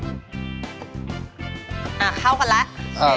อ่ะเข้ากันแล้ว